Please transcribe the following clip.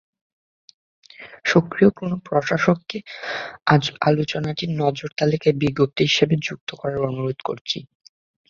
সক্রিয় কোন প্রশাসককে আলোচনাটি নজর তালিকায় বিজ্ঞপ্তি হিসাবে যুক্ত করার অনুরোধ করছি।